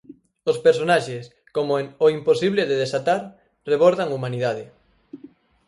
Os personaxes, como en 'O imposible de desatar', rebordan humanidade.